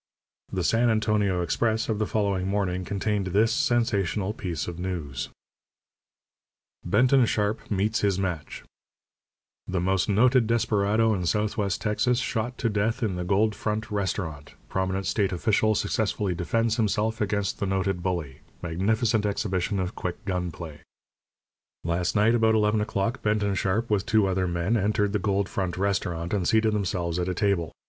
The San Antonio Express of the following morning contained this sensational piece of news: BENTON SHARP MEETS HIS MATCH THE MOST NOTED DESPERADO IN SOUTHWEST TEXAS SHOT TO DEATH IN THE GOLD FRONT RESTAURANT PROMINENT STATE OFFICIAL SUCCESSFULLY DEFENDS HIMSELF AGAINST THE NOTED BULLY MAGNIFICENT EXHIBITION OF QUICK GUN PLAY. Last night about eleven o'clock Benton Sharp, with two other men, entered the Gold Front Restaurant and seated themselves at a table.